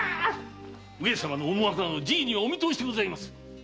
上様の思惑などじいにはお見通しでございます！